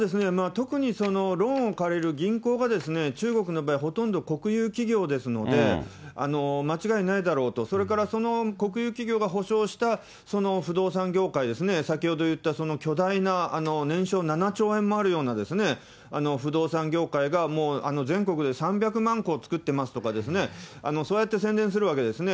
特にローンを借りる銀行が中国の場合、ほとんど国有企業ですので、間違いないだろうと、それからその国有企業が保証した不動産業界ですね、先ほど言った巨大な年商７兆円もあるような不動産業界が、もう全国で３００万戸作ってますとかですね、そうやって宣伝するわけですね。